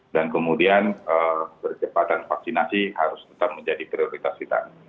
dan kemudian kecepatan vaksinasi harus tetap menjadi prioritas kita